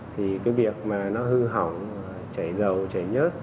thì cái việc mà nó hư hỏng chảy dầu chảy nhớt